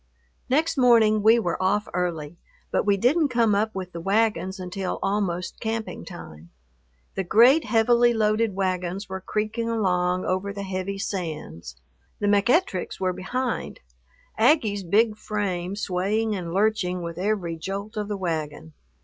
Next morning we were off early, but we didn't come up with the wagons until almost camping time. The great heavily loaded wagons were creaking along over the heavy sands. The McEttricks were behind, Aggie's big frame swaying and lurching with every jolt of the wagon.